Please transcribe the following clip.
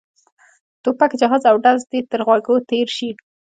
ټوپک جهاز او ډز دې تر غوږو تېر شي.